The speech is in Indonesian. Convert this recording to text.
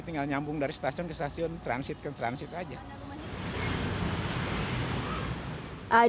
tinggal nyambung dari stasiun ke stasiun transit ke transit aja